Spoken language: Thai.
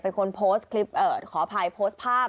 เป็นคนโพสต์คลิปขออภัยโพสต์ภาพ